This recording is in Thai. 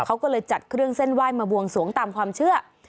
เขาก็เลยจัดเครื่องเส้นไหว้มาบวงสวงตามความเชื่อ